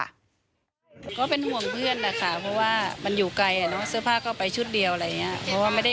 อันนี้ไม่ทราบรายละเอียดเพราะเราก็ดูข่าวแบบเดียวนะ